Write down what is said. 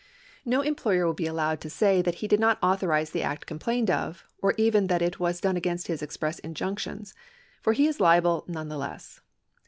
^ No employer will be allowed to say that he did not authorise the act complained of, or even that it was done against his express injunctions, for he is liable none the less.